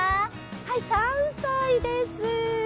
はい、３歳です。